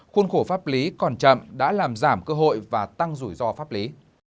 khuôn khổ pháp lý còn chậm đã làm giảm cơ hội và tăng rủi ro pháp lý